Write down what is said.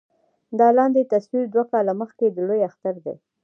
دا لاندې تصوير دوه کاله مخکښې د لوئے اختر دے